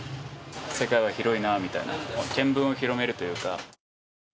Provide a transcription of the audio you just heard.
世界は広いなみたいな、見聞を広めるというか。